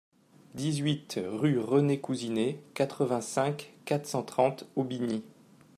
dix-huit rue René Couzinet, quatre-vingt-cinq, quatre cent trente, Aubigny